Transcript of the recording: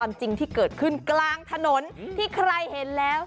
จริงที่เกิดขึ้นกลางถนนที่ใครเห็นแล้ว